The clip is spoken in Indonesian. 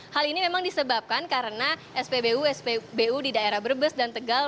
hal ini memang disebabkan karena spbu spbu di daerah brebes dan tegal